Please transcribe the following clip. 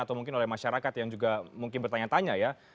atau mungkin oleh masyarakat yang juga mungkin bertanya tanya ya